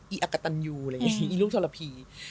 อักกะตันยูอะไรอย่างนี้อีลูกทรพี